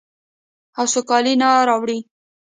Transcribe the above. او سوکالي نه راوړي.